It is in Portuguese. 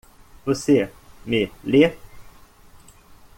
Você me lê?